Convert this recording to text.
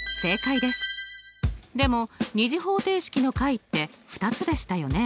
でも２次方程式の解って２つでしたよね？